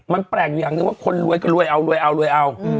มันแปลกอย่างนึงว่าคนรวยก็รวยเอา